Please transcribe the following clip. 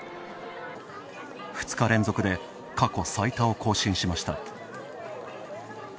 ２日連続で過去最多を更新しました。